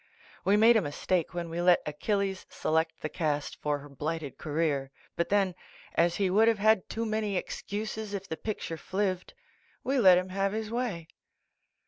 We made a mistake when we let Achilles select tlie cast for "Her Blighted Career," but then, as he would have had too many excuses if the picture flivved. we let him have his way.